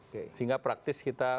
sehingga praktis kita